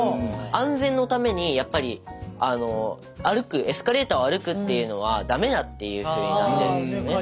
安全のためにやっぱり歩くエスカレーターを歩くっていうのは駄目だっていうふうになってるんですよね。